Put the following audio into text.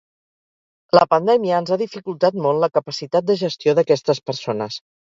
La pandèmia ens ha dificultat molt la capacitat de gestió d’aquestes persones.